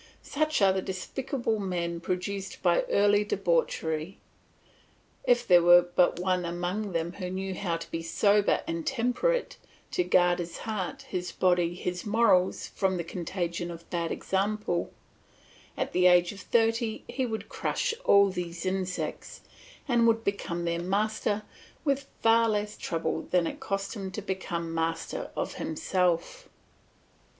Such are the despicable men produced by early debauchery; if there were but one among them who knew how to be sober and temperate, to guard his heart, his body, his morals from the contagion of bad example, at the age of thirty he would crush all these insects, and would become their master with far less trouble than it cost him to become master of himself.